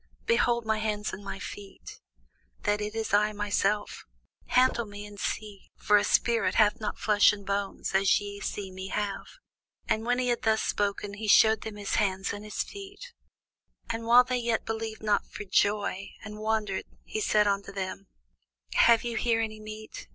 Behold my hands and my feet, that it is I myself: handle me, and see; for a spirit hath not flesh and bones, as ye see me have. And when he had thus spoken, he shewed them his hands and his feet. And while they yet believed not for joy, and wondered, he said unto them, Have ye here any meat?